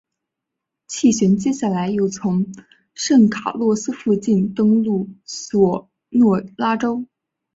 气旋接下来又从圣卡洛斯附近登陆索诺拉州。